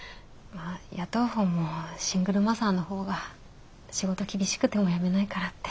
雇う方もシングルマザーの方が仕事厳しくても辞めないからって。